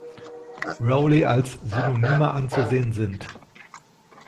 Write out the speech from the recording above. Rowley als Synonyme anzusehen sind.